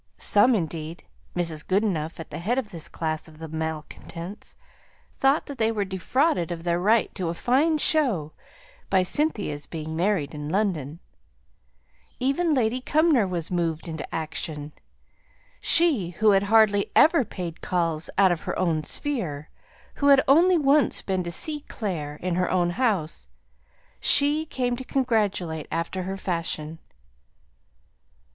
Some indeed Mrs. Goodenough at the head of this class of malcontents thought that they were defrauded of their right to a fine show by Cynthia's being married in London. Even Lady Cumnor was moved into action. She, who had hardly ever paid calls "out of her own sphere," who had only once been to see "Clare" in her own house she came to congratulate after her fashion.